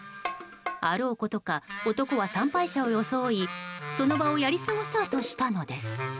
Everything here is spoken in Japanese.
あろうことか男は参拝者を装いその場をやり過ごそうとしたのです。